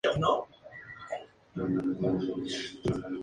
Abarca la evolución espiritual rezagada de la evolución material.